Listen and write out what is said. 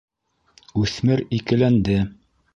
Үҫмер икеләнде.